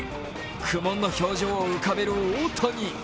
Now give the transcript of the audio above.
苦悶の表情を浮かべる大谷。